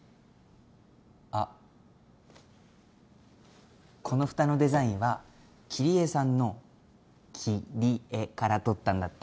あっこのふたのデザインは桐江さんの切り絵から取ったんだって。